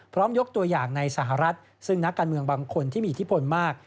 ยกตัวอย่างในสหรัฐซึ่งนักการเมืองบางคนที่มีอิทธิพลมาก